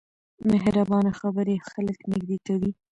مهربانه خبرې خلک نږدې کوي.